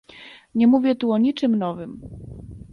Nie mówię tu o niczym nowym